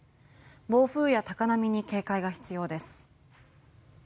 暴風や高波に警戒が必要です。